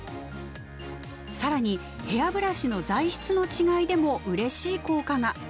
更にヘアブラシの材質の違いでもうれしい効果が。